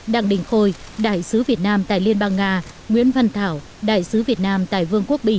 đặng đình khôi đại sứ việt nam tại liên bang nga nguyễn văn thảo đại sứ việt nam tại vương quốc bỉ